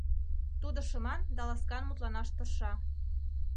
Тудо шыман да ласкан мутланаш тырша.